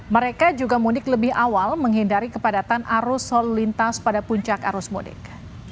mereka juga mudik lebih awal menghindari kepadatan arus lalu lintas pada puncak arus mudik